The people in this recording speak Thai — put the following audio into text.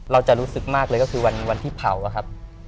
เราจะรู้สึกมากเลยก็คือวันที่เผาอะครับ